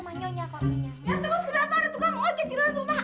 ya terus kenapa ada tukang ojek di rumah ayah